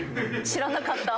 知らなかった。